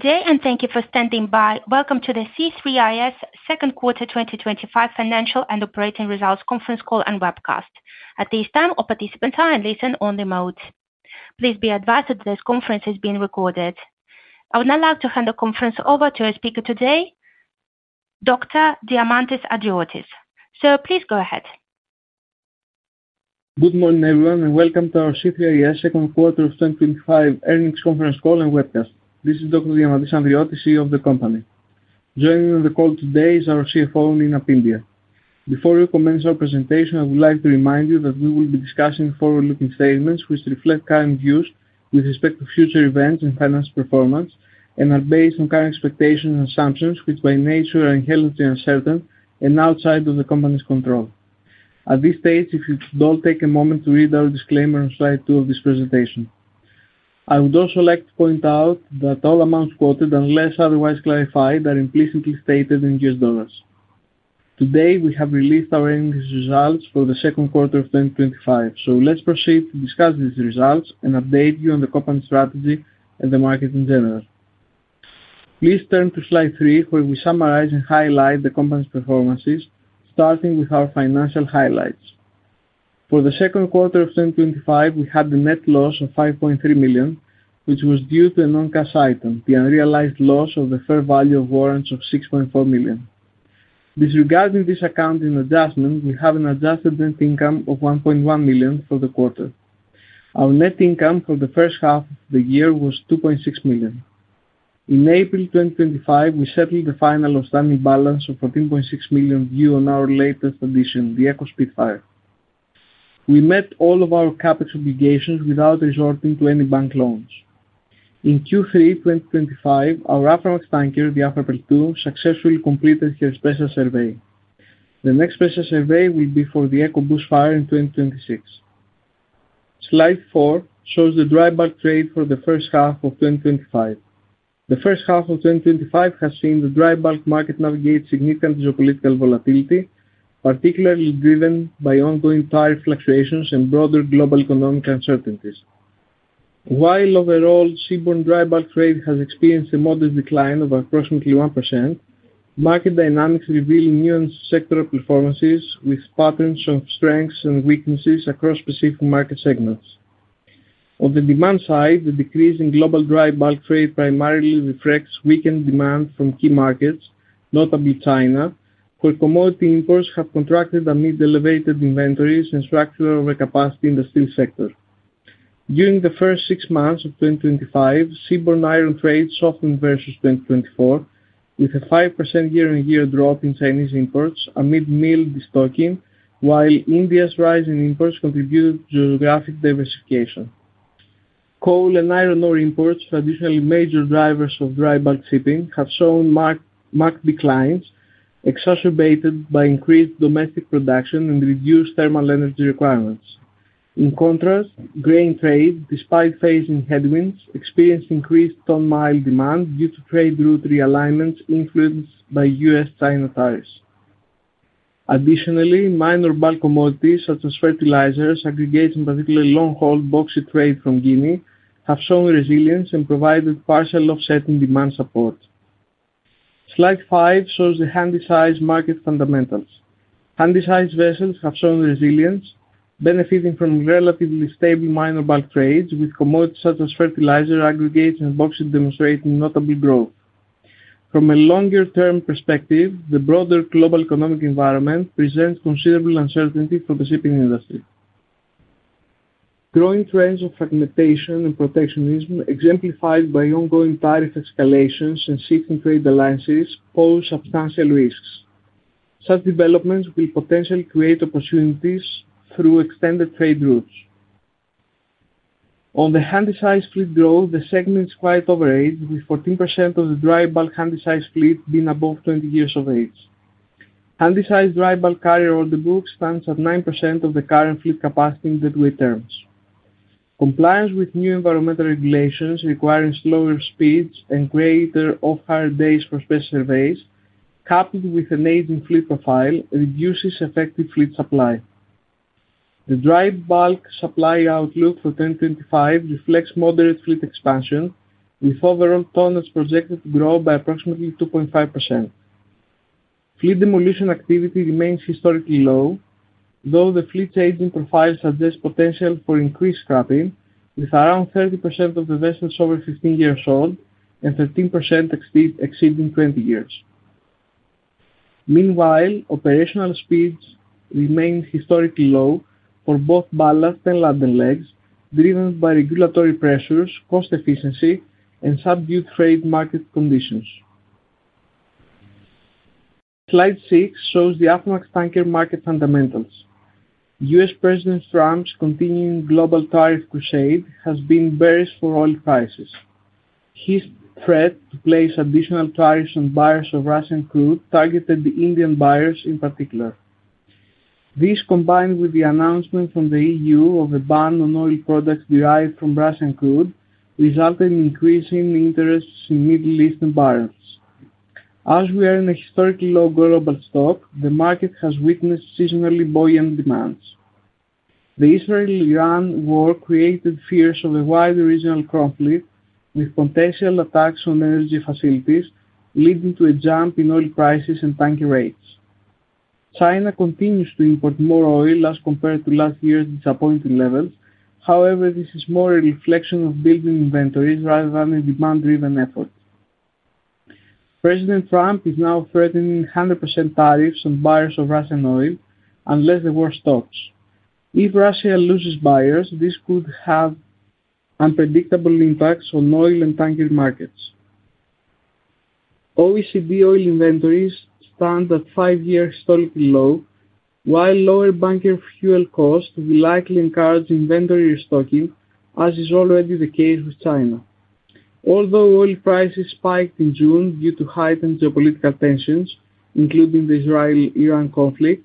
Today, and thank you for standing by, welcome to the C3is Second Quarter 2025 Financial and Operating Results Conference Call and Webcast. At this time, all participants are in listen-only mode. Please be advised that this conference is being recorded. I would now like to hand the conference over to our speaker today, Dr. Diamantis Andriotis. Sir, please go ahead. Good morning, everyone, and welcome to our C3is Second Quarter of 2025 Earnings Conference Call and Webcast. This is Dr. Diamantis Andriotis, CEO of the company. Joining the call today is our CFO, Nina Pyndiah. Before we commence our presentation, I would like to remind you that we will be discussing forward-looking statements, which reflect current views with respect to future events and financial performance, and are based on current expectations and assumptions, which by nature are inherently uncertain and outside of the company's control. At this stage, if you could all take a moment to read our disclaimer on slide two of this presentation. I would also like to point out that all amounts quoted, unless otherwise clarified, are implicitly stated in U.S. dollars. Today, we have released our Earnings Results for the second quarter of 2025. Let's proceed to discuss these results and update you on the company's strategy and the market in general. Please turn to slide three, where we summarize and highlight the company's performances, starting with our financial highlights. For the second quarter of 2025, we had a net loss of $5.3 million, which was due to a non-cash item, the unrealized loss of the fair value of warrants of $6.4 million. Disregarding this accounting adjustment, we have an adjusted net income of $1.1 million for the quarter. Our net income for the first half of the year was $2.6 million. In April 2025, we settled the final outstanding balance of $14.6 million due the Eco Spitfire. we met all of our CapEx obligations without resorting to any bank loans. In Q3 2025, our Aframax tanker, the Aframax II, successfully completed her special survey. The next special survey will be the ECO BUSHFIRE in 2026. Slide four shows the dry bulk trade for the first half of 2025. The first half of 2025 has seen the dry bulk market navigate significant geopolitical volatility, particularly driven by ongoing tariff fluctuations and broader global economic uncertainties. While overall, seaborne dry bulk trade has experienced a modest decline of approximately 1%, market dynamics reveal new and sectoral performances, with patterns showing strengths and weaknesses across specific market segments. On the demand side, the decrease in global dry bulk trade primarily reflects weakened demand from key markets, notably China, where commodity imports have contracted amid elevated inventories and structural overcapacity in the steel sector. During the first six months of 2025, seaborne iron trade softened versus 2024, with a 5% year-on-year drop in Chinese imports amid mill restocking, while India's rise in imports contributed to geographic diversification. Coal and iron ore imports, traditionally major drivers of dry bulk shipping, have shown marked declines, exacerbated by increased domestic production and reduced thermal energy requirements. In contrast, grain trade, despite facing headwinds, experienced increased ton-mile demand due to trade route realignments influenced by U.S.-China tariffs. Additionally, minor bulk commodities, such as fertilizers, aggregates, and particularly long-haul bauxite trade from Guinea have shown resilience and provided partial offset in demand support. Slide five shows the Handysize market fundamentals. Handysize vessels have shown resilience, benefiting from relatively stable minor bulk trades, with commodities such as fertilizer, aggregates, and bauxite demonstrating notable growth. From a longer-term perspective, the broader global economic environment presents considerable uncertainty for the shipping industry. Growing trends of fragmentation and protectionism, exemplified by ongoing tariff escalations and shipping trade alliances, pose substantial risks. Such developments will potentially create opportunities through extended trade routes. On the Handysize fleet growth, the segment is quite overage, with 14% of the dry bulk Handysize fleet being above 20 years of age. Handysize dry bulk carrier orderbook stands at 9% of the current fleet capacity in deadweight terms. Compliance with new environmental regulations requiring slower speeds and greater off-hire days for special surveys, coupled with an aging fleet profile, reduces effective fleet supply. The dry bulk supply outlook for 2025 reflects moderate fleet expansion, with overall tonnage projected to grow by approximately 2.5%. Fleet demolition activity remains historically low, though the fleet's aging profile suggests potential for increased scrapping, with around 30% of the vessels over 15 years old and 13% exceeding 20 years. Meanwhile, operational speeds remain historically low for both ballast and laden legs, driven by regulatory pressures, cost efficiency, and subdued trade market conditions. Slide six shows the Aframax tanker market fundamentals. U.S. President Trump's continuing global tariff crusade has been bearish for oil prices. His threat to place additional tariffs on buyers of Russian crude targeted the Indian buyers in particular. This, combined with the announcement from the EU of a ban on oil products derived from Russian crude, resulted in increasing interest in Middle Eastern barrens. As we are in a historically low global stock, the market has witnessed seasonally buoyant demands. The Israel-Iran war created fears of a wider regional conflict, with potential attacks on energy facilities leading to a jump in oil prices and tanker rates. China continues to import more oil as compared to last year's disappointing level. However, this is more a reflection of building inventories rather than a demand-driven effort. President Trump is now threatening 100% tariffs on buyers of Russian oil unless the war stops. If Russia loses buyers, this could have unpredictable impacts on Oil and Tanker markets. OECD oil inventories stand at five years historic low, while lower bunker fuel costs will likely encourage inventory restocking, as is already the case with China. Although oil prices spiked in June due to heightened geopolitical tensions, including the Israel-Iran conflict,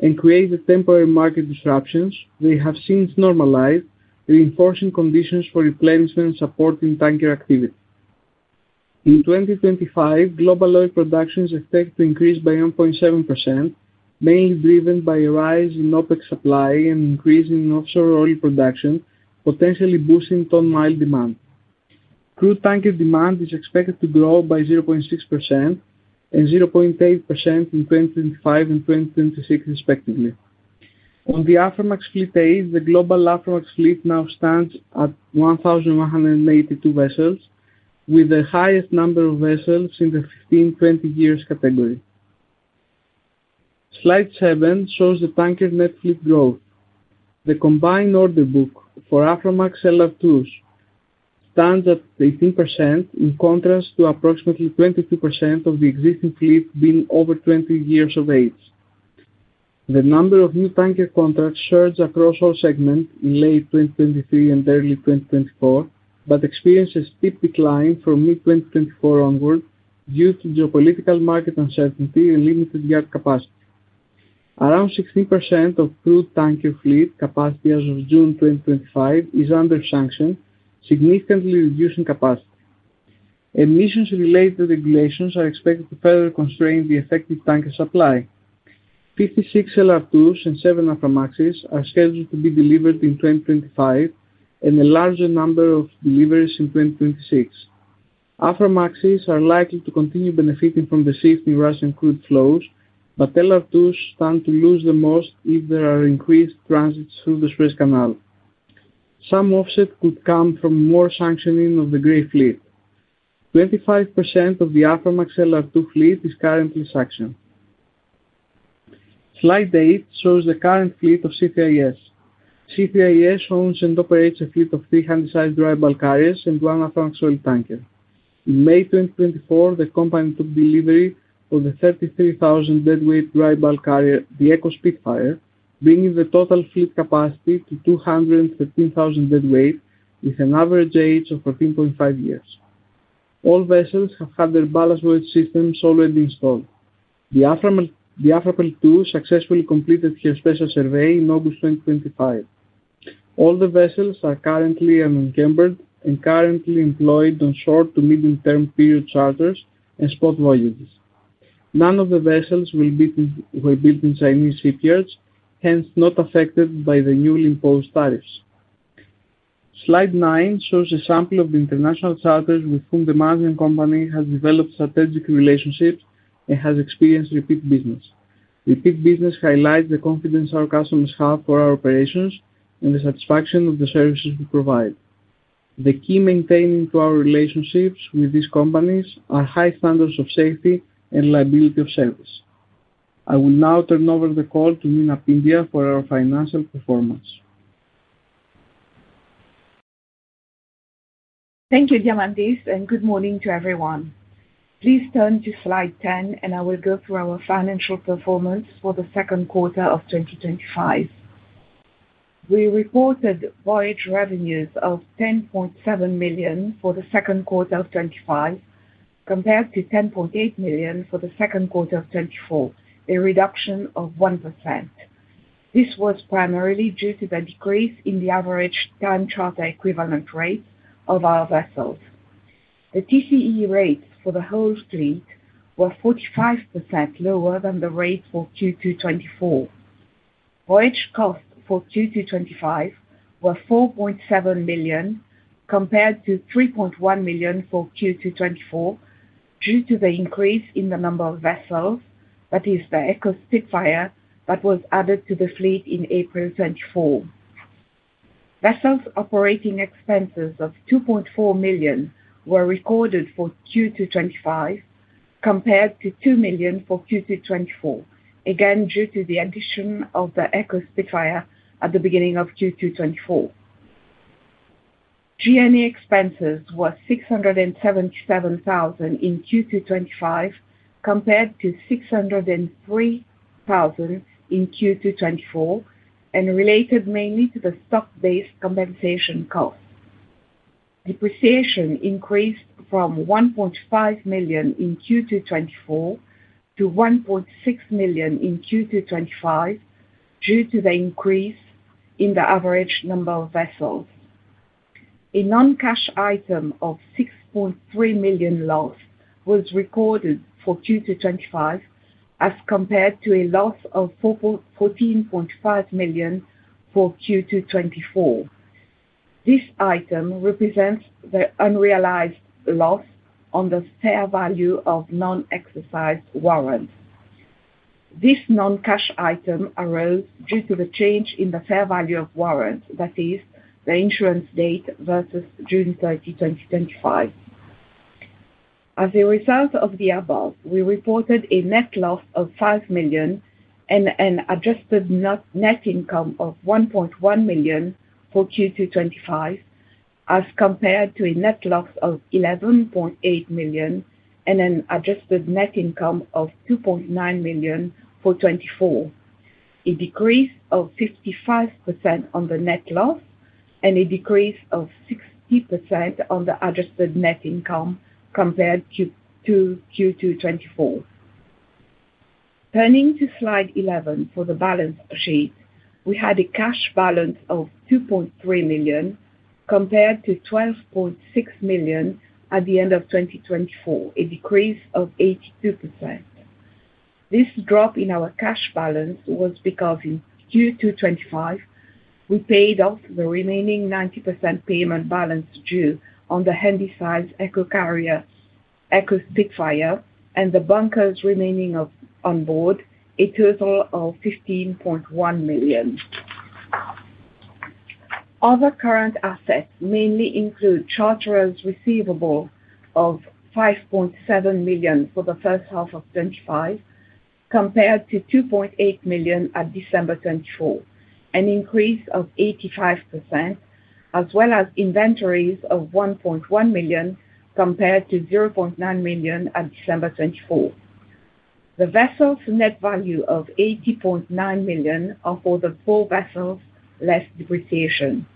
and created temporary market disruptions, they have since normalized, reinforcing conditions for replenishment and supporting tanker activity. In 2025, global oil production is expected to increase by 1.7%, mainly driven by a rise in OPEC supply and increase in offshore oil production, potentially boosting ton-mile demand. Crude tanker demand is expected to grow by 0.6% and 0.8% in 2025 and 2026, respectively. On the Aframax fleet age, the global Aframax fleet now stands at 1,182 vessels, with the highest number of vessels in the 15-20 years category. Slide seven shows the tanker net fleet growth. The combined order book for Aframax LR2s stands at 18%, in contrast to approximately 22% of the existing fleet being over 20 years of age. The number of new tanker contracts surged across all segments in late 2023 and early 2024, but experienced a steep decline from mid-2024 onward due to geopolitical market uncertainty and limited yard capacity. Around 60% of crude tanker fleet capacity as of June 2025 is under sanctions, significantly reducing capacity. Emissions-related regulations are expected to further constrain the effective tanker supply. 56 LR2s and seven Aframaxes are scheduled to be delivered in 2025, and a larger number of deliveries in 2026. Aframaxes are likely to continue benefiting from the shift in Russian crude flows, but LR2s stand to lose the most if there are increased transits through the Suez Canal. Some offset could come from more sanctioning of the gray fleet. 25% of the Aframax LR2 fleet is currently sanctioned. Slide eight shows the current fleet of C3is Inc. C3is Inc. owns and operates a fleet of three Handysize dry bulk carriers and one Aframax oil tanker. In May 2024, the company took delivery of the carrier, the Eco Spitfire, bringing the total fleet capacity to 215,000 deadweight, with an average age of 14.5 years. All vessels have had their ballast load systems already installed. The Afrapearl II successfully completed her special survey in August 2025. All the vessels are currently unencumbered and currently employed on short to medium-term period charters and spot voyages. None of the vessels were built in Chinese shipyards, hence not affected by the newly imposed tariffs. Slide nine shows a sample of the international charters with whom the company has developed strategic relationships and has experienced repeat business. Repeat business highlights the confidence our customers have for our operations and the satisfaction of the services we provide. The key to maintaining our relationships with these companies are high standards of safety and reliability of service. I will now turn over the call to Nina Pyndiah for our financial performance. Thank you, Diamantis, and good morning to everyone. Please turn to slide 10, and I will go through our financial performance for the second quarter of 2025. We reported voyage revenues of $10.7 million for the second quarter of 2025, compared to $10.8 million for the second quarter of 2024, a reduction of 1%. This was primarily due to the decrease in the average time charter equivalent rate of our vessels. The TCE rates for the whole fleet were 45% lower than the rates for Q2 2024. Voyage costs for Q2 2025 were $4.7 million compared to $3.1 million for Q2 2024, due to the increase in the the Eco Spitfire that was added to the fleet in April 2024. Vessels operating expenses of $2.4 million were recorded for Q2 2025, compared to $2 million for Q2 2024, again the Eco Spitfire at the beginning of Q2 2024. G&A expenses were $677,000 in Q2 2025, compared to $603,000 in Q2 2024, and related mainly to the stock-based compensation cost. Depreciation increased from $1.5 million in Q2 2024 to $1.6 million in Q2 2025, due to the increase in the average number of vessels. A non-cash item of $6.3 million loss was recorded for Q2 2025, as compared to a loss of $14.5 million for Q2 2024. This item represents the non-cash unrealized loss on the fair value of non-exercised warrant. This non-cash item arose due to the change in the fair value of warrant, that is, the issuance date versus June 30, 2025. As a result of the above, we reported a net loss of $5 million and an adjusted net income of $1.1 million for Q2 2025, as compared to a net loss of $11.8 million and an adjusted net income of $2.9 million for 2024. A decrease of 55% on the net loss and a decrease of 60% on the adjusted net income compared to Q2 2024. Turning to slide 11 for the balance sheet, we had a cash balance of $2.3 million compared to $12.6 million at the end of 2024, a decrease of 82%. This drop in our cash balance was because in Q2 2025, we paid off the remaining 90% payment balance due on the Handysize Eco Carrier Eco Spitfire and the bunkers remaining on board, a total of $15.1 million. Other current assets mainly include charter hires receivable of $5.7 million for the first half of 2025, compared to $2.8 million at December 2024, an increase of 85%, as well as inventories of $1.1 million compared to $0.9 million at December 2024. The vessels' net value of $80.9 million are for the four vessels less depreciation.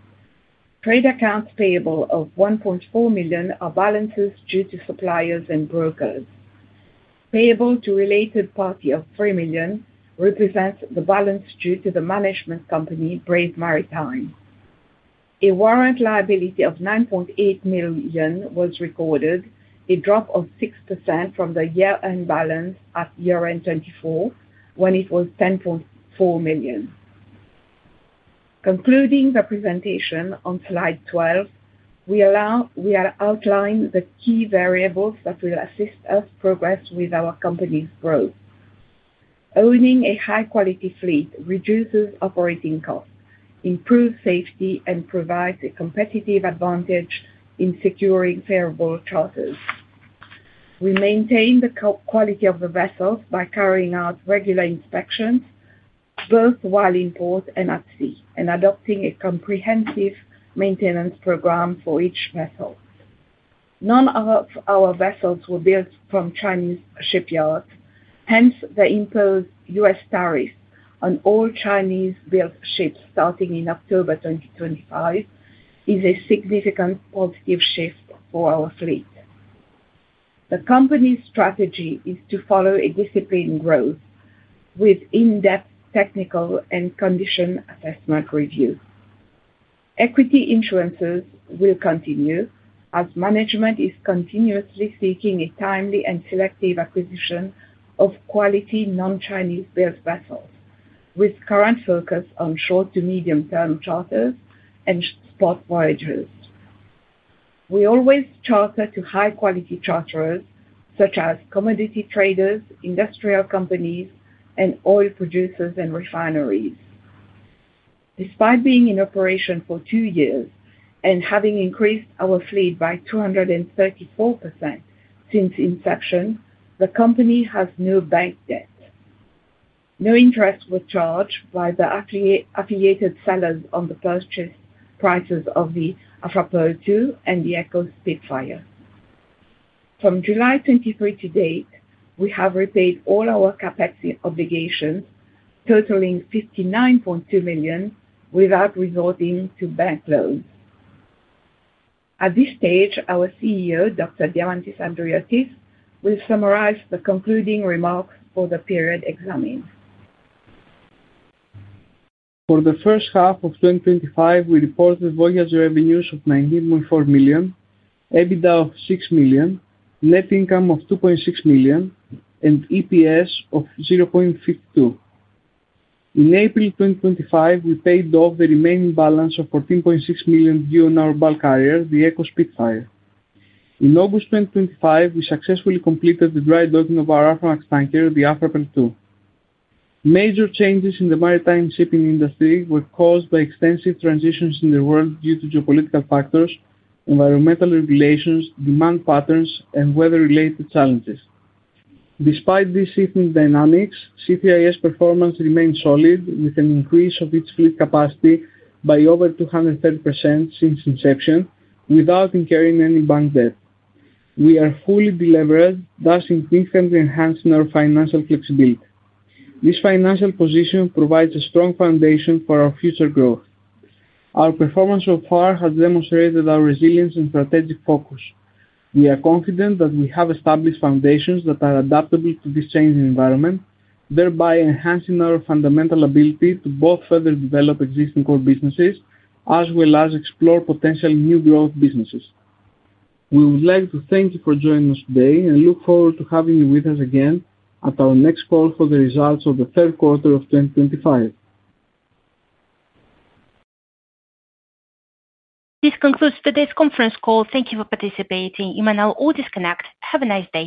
Trade accounts payable of $1.4 million are balances due to suppliers and brokers. Payable to related party of $3 million represents the balance due to the management company, Brave Maritime. A warrant liability of $9.8 million was recorded, a drop of 6% from the year-end balance at year-end 2024, when it was $10.4 million. Concluding the presentation on slide 12, we outline the key variables that will assist us to progress with our company's growth. Owning a high-quality fleet reduces operating costs, improves safety, and provides a competitive advantage in securing favorable charters. We maintain the quality of the vessels by carrying out regular inspections, both while in port and at sea, and adopting a comprehensive maintenance program for each vessel. None of our vessels were built from Chinese shipyards, hence the imposed U.S. tariff on all Chinese-built ships starting in October 2025 is a significant positive shift for our fleet. The company's strategy is to follow a disciplined growth with in-depth technical and condition assessment review. Equity issuances will continue as management is continuously seeking a timely and selective acquisition of quality non-Chinese-built vessels, with current focus on short to medium-term charters and spot voyages. We always charter to high-quality charterers such as commodity traders, industrial companies, and oil producers and refineries. Despite being in operation for two years and having increased our fleet by 234% since inception, the company has no bank debt. No interest was charged by the affiliated sellers on the purchase prices of the Afrapearl II and the Eco Spitfire. from july 2023 to date, we have repaid all our CapEx obligations, totaling $59.2 million, without resorting to bank loans. At this stage, our CEO, Dr. Diamantis Andriotis, will summarize the concluding remarks for the period examined. For the first half of 2025, we reported voyage revenues of $19.4 million, EBITDA of $6 million, net income of $2.6 million, and EPS of $0.52. In April 2025, we paid off the remaining balance of $14.6 million the Eco Spitfire. in august 2025, we successfully completed the dry docking of our Aframax tanker, the Afrapearl II. Major changes in the maritime shipping industry were caused by extensive transitions in the world due to geopolitical factors, environmental regulations, demand patterns, and weather-related challenges. Despite these shifting dynamics, C3is performance remains solid, with an increase of its fleet capacity by over 230% since inception, without incurring any bank debt. We are fully deliberate, thus significantly enhancing our financial flexibility. This financial position provides a strong foundation for our future growth. Our performance so far has demonstrated our resilience and strategic focus. We are confident that we have established foundations that are adaptable to this changing environment, thereby enhancing our fundamental ability to both further develop existing core businesses as well as explore potential new growth businesses. We would like to thank you for joining us today and look forward to having you with us again at our next call for the results of the third quarter of 2025. This concludes today's conference call. Thank you for participating. You may now all disconnect. Have a nice day.